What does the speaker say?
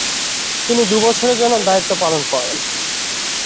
তিনি দু'বছরের জন্য দায়িত্ব পালন করেন।